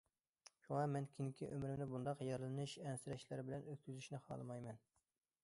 شۇڭا مەن كېيىنكى ئۆمرۈمنى بۇنداق يارىلىنىش ئەنسىرەشلەر بىلەن ئۆتكۈزۈشنى خالىمايمەن.